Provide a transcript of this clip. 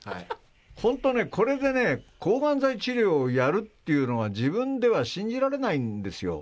本当ね、これでね、抗がん剤治療をやるっていうのは、自分では信じられないんですよ。